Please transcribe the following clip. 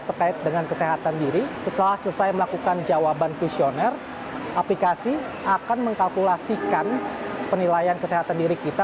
setelah selesai melakukan jawaban kuisyoner aplikasi akan mengkalkulasikan penilaian kesehatan diri kita